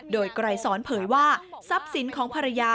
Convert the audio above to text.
โดยไกรสอนเผยว่าทรัพย์สินของภรรยา